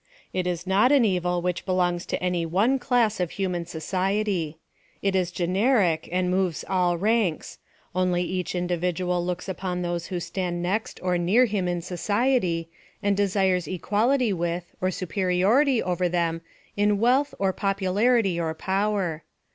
It is noi an evil which belongs to any one class of human society. It is generic ; and moves all ranks ; only each individual looks upon those who stand next or near him in society, and desires equality with, or superiority over them in wealth, or popularity, or power.